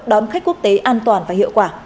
đón khách quốc tế an toàn và hiệu quả